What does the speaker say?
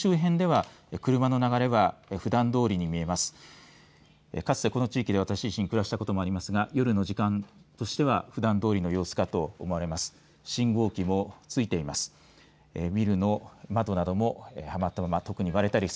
かつて、この地域では私暮らしたこともありますが夜の時間としてはふだんどおりの様子だと思われます。